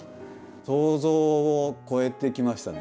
想像を超えてきましたね。